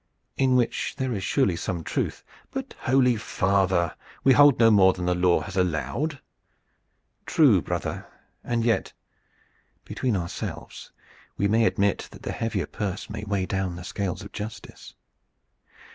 "In which there is surely some truth." "But, holy father, we hold no more than the law has allowed." "True, brother, and yet between ourselves, we may admit that the heavier purse may weigh down the scales of Justice.